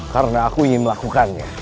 karena aku ingin melakukannya